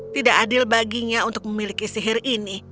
tidak adil baginya untuk memiliki sihir ini